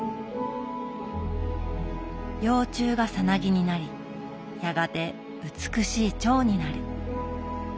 幼虫がサナギになりやがて美しいチョウになる。